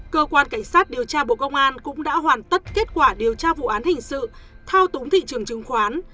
cơ quan cảnh sát điều tra bộ công an cũng đã hoàn tất kết quả điều tra vụ án hình sự thao túng thị trường chứng khoán